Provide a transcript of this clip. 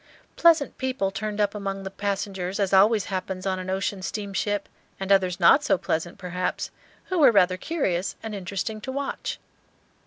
Pleasant people turned up among the passengers, as always happens on an ocean steamship, and others not so pleasant, perhaps, who were rather curious and interesting to watch.